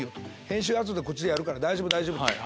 編集後でこっちでやるから大丈夫大丈夫！」。